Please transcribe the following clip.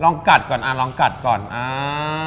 กัดก่อนอ่าลองกัดก่อนอ่า